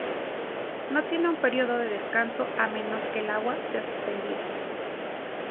No tiene un período de descanso a menos que el agua sea suspendida.